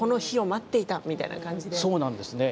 そうなんですね。